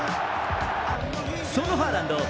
そのハーランド